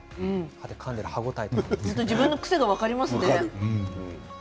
自分の癖が分かりますね。